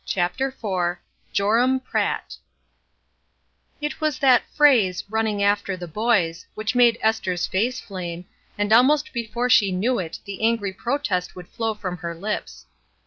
CHAPTER IV JOEAM PRATT IT was that phrase, "running after the boys," which made Esther's face flame, and almost before she knew it the angry protest would flow from her hps.